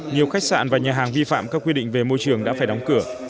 nhiều khách sạn và nhà hàng vi phạm các quy định về môi trường đã phải đóng cửa